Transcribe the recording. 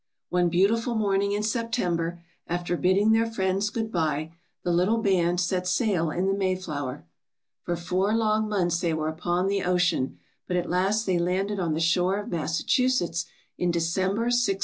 ^^One beautiful morning in September, after bidding their friends good by, the little band set sail in the 'Mayflower/ "For four long months they were upon the ocean, but at last they landed on the shore of Massachusetts, in December, 1620.